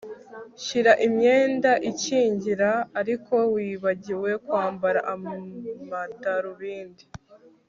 shyira imyenda ikingira ariko wibagiwe kwambara amadarubindi